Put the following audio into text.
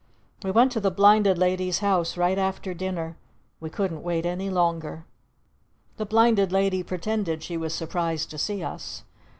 We went to the Blinded Lady's house right after dinner. We couldn't wait any longer. The Blinded Lady pretended she was surprised to see us.